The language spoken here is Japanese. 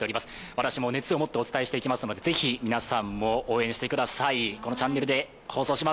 私も熱を持ってお伝えしていきますので、ぜひ皆さんも応援してください。